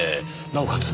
なおかつ